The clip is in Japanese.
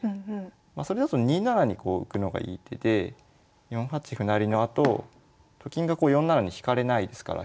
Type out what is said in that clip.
それだと２七に浮くのがいい手で４八歩成のあとと金が４七に引かれないですから飛車が利いてて。